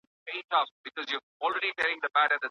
د پوستکي ناروغۍ ولي رامنځته کیږي؟